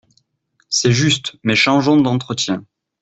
C’est juste, Mais changeons d’entretien.